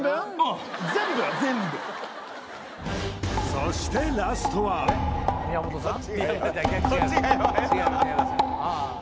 そしてラストは宮本さん？